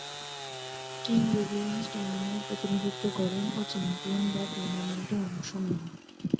King Williams টাউনের প্রতিনিধিত্ব করেন ও চ্যাম্পিয়ন ব্যাট টুর্নামেন্টে অংশ নেন।